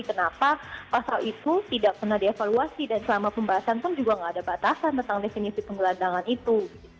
kenapa pasal itu tidak pernah dia evaluasi dan selama pembahasan kan juga nggak ada batasan tentang definisi penggelandangan itu